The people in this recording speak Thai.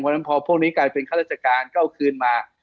เพราะฉะนั้นพอพวกนี้กลายเป็นข้าราชการก็เอาคืนมา